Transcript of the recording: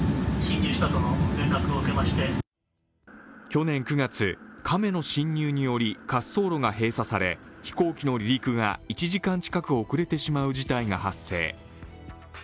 去年９月、亀の進入により滑走路が閉鎖され飛行機の離陸が１時間近く遅れてしまう事態が発生。